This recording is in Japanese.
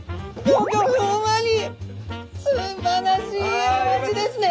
すばらしいお味ですね！